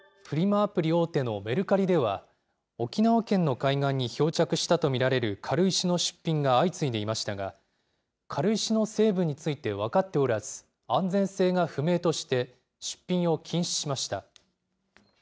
アプリ大手のメルカリでは、沖縄県の海岸に漂着したと見られる軽石の出品が相次いでいましたが、軽石の成分について分かっておらず、安全性が不明として、出品を禁止しました。